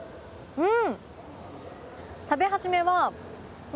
うん！